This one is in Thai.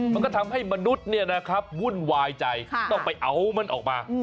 มันก็ทำให้มนุษย์วุ่นวายใจต้องไปเอามันออกมา